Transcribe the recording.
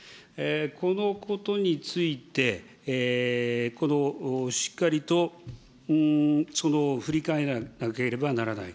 このことについて、しっかりと振り返らなければならない。